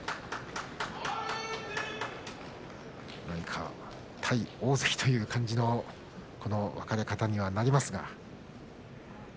何か対大関という感じの分かれ方にはなりますが。